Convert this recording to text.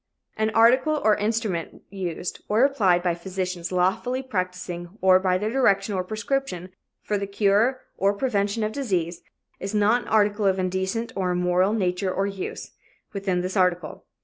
An article or instrument used or applied by physicians lawfully practicing, or by their direction or prescription, for the cure or prevention of disease, is not an article of indecent or immoral nature or use, within this article.